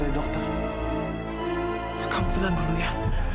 kamila kamu tenang dulu ya